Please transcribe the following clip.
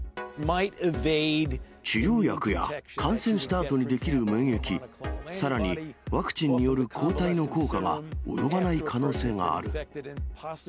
治療薬や感染したあとに出来る免疫、さらにワクチンによる抗体の効果が及ばない可能性がある。